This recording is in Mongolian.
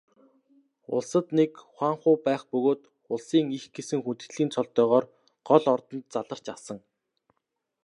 Улсад нэг хуанху байх бөгөөд Улсын эх гэсэн хүндэтгэлийн цолтойгоор гол ордонд заларч асан.